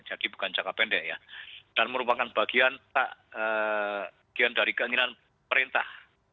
jadi bukan jangka pendek ya dan merupakan bagian dari keinginan perintah